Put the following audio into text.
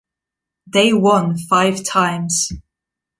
They won five times.